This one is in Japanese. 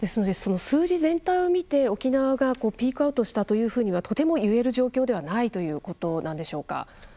数字全体を見て沖縄がピークアウトしたといえる状況ではとてもいえる状況ではないということでしょうか。